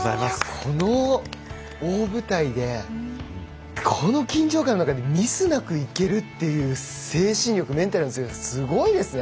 この大舞台でこの緊張感の中でミスなくいけるという精神力、メンタルの強さすごいですよね。